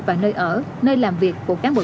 và nơi ở nơi làm việc của cán bộ